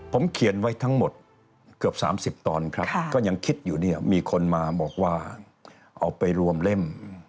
ผมเขียนไว้ทั้งหมดเกือบ๓๐ตอนครับก็ยังคิดอยู่เนี่ยมีคนมาบอกว่าเอาไปรวมเล่ม